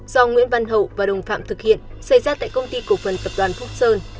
do nguyễn văn hậu và đồng phạm thực hiện xảy ra tại công ty cổ phần tập đoàn phúc sơn